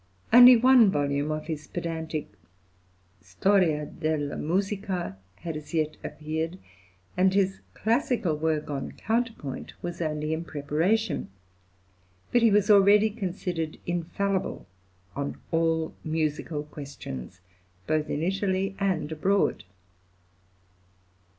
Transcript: Only one volume of his pedantic "Storia della Musica" had as yet appeared, and his classical work on counterpoint was only in preparation; but he was already considered infallible on all musical questions, both in Italy and abroad.